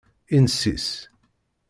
Inessis.